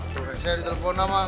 tuh saya di telpon lah bang